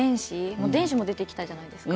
もう電子も出てきたじゃないですか。